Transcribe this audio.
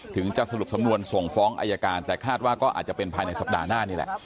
จะสรุปสำนวนส่งฟ้องอายการแต่คาดว่าก็อาจจะเป็นภายในสัปดาห์หน้านี่แหละ